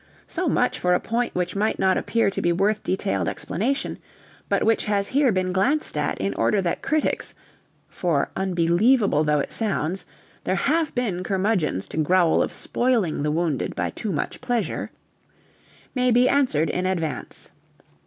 So much for a point which might not appear to be worth detailed explanation, but which has here been glanced at in order that critics (for, unbelievable though it sounds, there have been curmudgeons to growl of spoiling the wounded by too much pleasure) may be answered in advance.